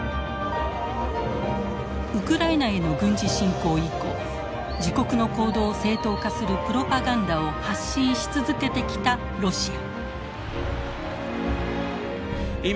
ウクライナへの軍事侵攻以降自国の行動を正当化するプロパガンダを発信し続けてきたロシア。